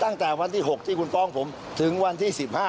ตั้งแต่วันที่๖ที่คุณฟ้องผมถึงวันที่๑๕